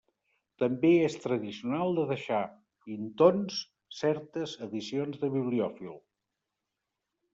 També és tradicional de deixar intons certes edicions de bibliòfil.